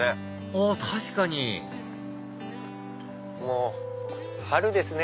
あっ確かにもう春ですね。